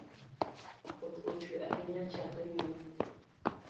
Koth ochwe ahinya chakre nyoro.